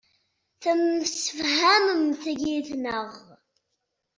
Temsefhamemt yid-neɣ.